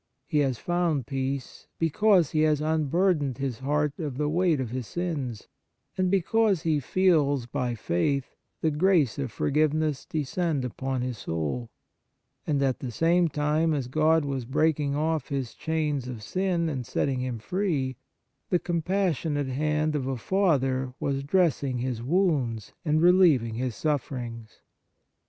He has found peace, because he has unburdened his heart of the weight of his sins, and because he feels, by faith, the grace of for giveness descend upon his soul ; and at the same time as God was breaking off his chains of sin and setting him free, the compassionate hand of a father was dressing his wounds and relieving his sufferings.